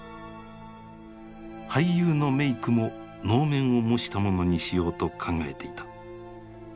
俳優のメークも能面を模したものにしようと考えていた。